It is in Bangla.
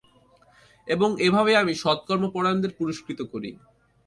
এবং এভাবেই আমি সৎকর্ম পরায়ণদেরকে পুরস্কৃত করি।